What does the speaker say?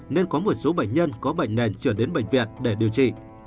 nên có một số bệnh nhân có bệnh nền chuyển đến bệnh viện để điều trị